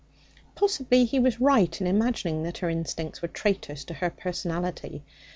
Possibly he was right in imagining that her instincts were traitors to her personality.